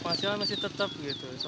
penghasilan masih tetap gitu